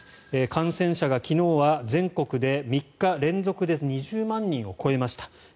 感染者が昨日は全国で３日連続で２０万人を超えました。